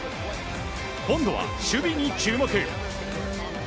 今度は守備に注目。